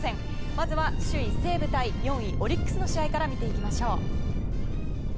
まずは首位、西武対４位、オリックスの試合から見ていきましょう。